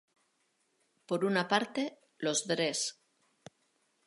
Por una parte, los Dres.